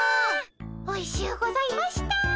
おいしゅうございました。